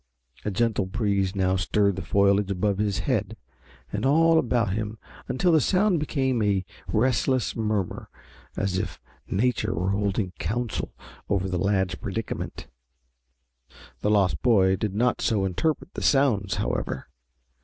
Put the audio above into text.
A gentle breeze now stirred the foliage above his head and all about him until the sound became a restless murmur, as if Nature were holding council over the lad's predicament. The lost boy did not so interpret the sounds, however.